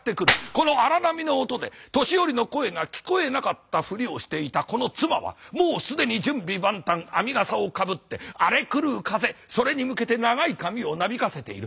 この荒波の音で年寄りの声が聞こえなかったふりをしていたこの妻はもう既に準備万端編みがさをかぶって荒れ狂う風それに向けて長い髪をなびかせている。